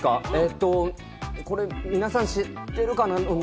これ皆さん、知ってるかな？